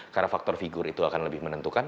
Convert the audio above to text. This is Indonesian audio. karena faktor figur itu akan lebih menentukan